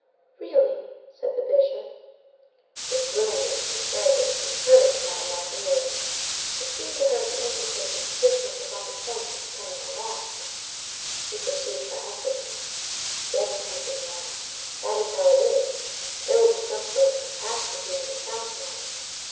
"Really!" said the Bishop. This willingness to interrogate encouraged Madame Magloire; it seemed to her to indicate that the Bishop was on the point of becoming alarmed; she pursued triumphantly:— "Yes, Monseigneur. That is how it is. There will be some sort of catastrophe in this town to night.